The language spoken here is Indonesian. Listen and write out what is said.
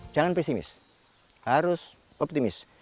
jangan pesimis harus optimis